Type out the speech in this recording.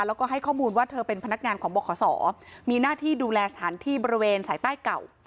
แล้วก็ให้ข้อมูลว่าเธอเป็นพนักงานของบขศมีหน้าที่ดูแลสถานที่บริเวณสายใต้เก่า